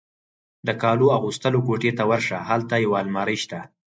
د کالو اغوستلو کوټې ته ورشه، هلته یو المارۍ شته.